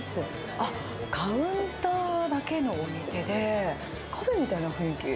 カウンターだけのお店で、カフェみたいな雰囲気。